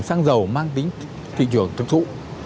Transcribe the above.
răng dầu mang tính thị trường thực thụ